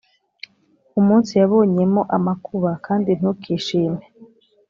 umunsi wabonyemo amakuba kandi ntukishime